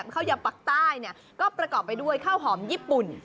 ข้าวยำปักใต้ก็ประกอบไปด้วยข้าวหอมญี่ปุ่น